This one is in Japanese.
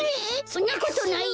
そんなことないよ！